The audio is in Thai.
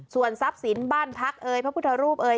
ส่วนทรัพย์สินบ้านพักเอ่ยพระพุทธรูปเอ่ย